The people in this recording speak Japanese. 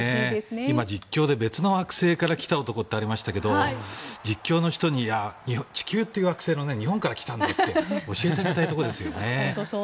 今、実況で別の惑星から来た男ってありましたけど実況の人に地球という惑星の日本から来たんだって教えてあげたいですよね。